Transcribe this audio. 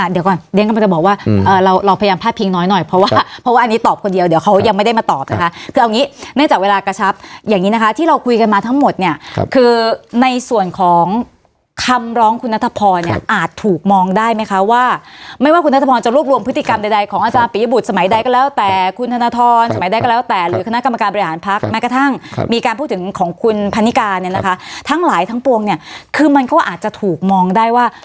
เดี๋ยวก่อนเดี๋ยวก่อนจะบอกว่าเราพยายามพาดพิงน้อยหน่อยเพราะว่าเพราะว่าอันนี้ตอบคนเดียวเดี๋ยวเขายังไม่ได้มาตอบนะคะคือเอางี้แน่จากเวลากระชับอย่างนี้นะคะที่เราคุยกันมาทั้งหมดเนี่ยคือในส่วนของคำร้องคุณนัทพรเนี่ยอาจถูกมองได้ไหมคะว่าไม่ว่าคุณนัทพรจะลูกรวมพฤติกรรมใดของอาจารย์ปีบุตรสมัยใ